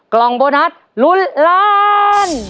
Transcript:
กล่องโบนัสลุ้นล้าน